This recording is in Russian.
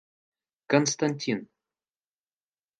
Константин